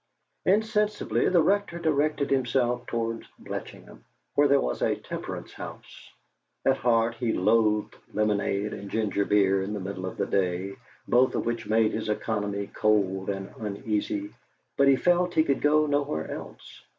Insensibly the Rector directed himself towards Bletchingham, where there was a temperance house. At heart he loathed lemonade and gingerbeer in the middle of the day, both of which made his economy cold and uneasy, but he felt he could go nowhere else.